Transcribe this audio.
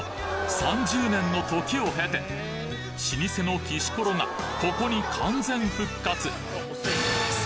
３０年の時を経て老舗のきしころがここに完全復活！